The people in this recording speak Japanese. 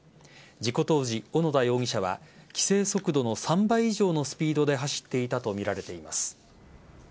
事故当時、小野田容疑者は規制速度の３倍以上のスピードで走っていたとみられています。